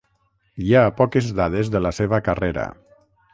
Hi ha poques dades de la seva carrera.